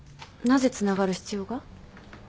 なぜつながる必要が？